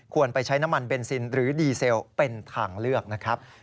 ไปใช้น้ำมันเบนซินหรือดีเซลเป็นทางเลือกนะครับ